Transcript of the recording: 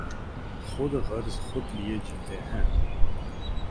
خود غرض خود لئے جیتے ہیں۔